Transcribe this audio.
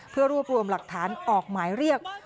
เพื่อรวบรวมหลักฐานออกหมายเรียก